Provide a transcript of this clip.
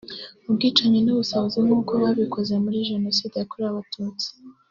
ubwicanyi n’ubusahuzi nkuko babikoze muri Jenoside yakorewe Abatutsi